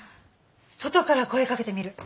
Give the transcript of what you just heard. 外から声掛けてみる